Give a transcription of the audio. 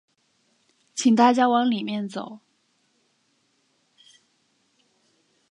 请大家往里面走